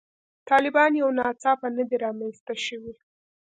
طالبان یو ناڅاپه نه دي رامنځته شوي.